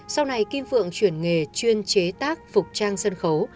sau này kim phượng chuyển nghề chuyên chế tác phục trang sân khấu